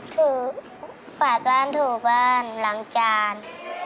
ถือขาดบ้านถือบ้านหลังจาน